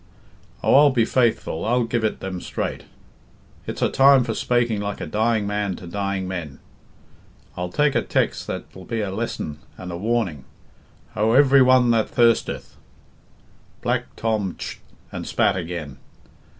Oh, I'll be faithful, I'll give it them straight, it's a time for spaking like a dying man to dying men; I'll take a tex' that'll be a lesson and a warning, 'Ho, every one that thirsteth " Black Tom tsht and spat again.